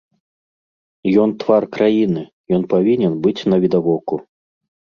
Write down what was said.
Ён твар краіны, ён павінен быць навідавоку.